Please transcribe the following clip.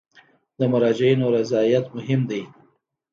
د مراجعینو رضایت مهم دی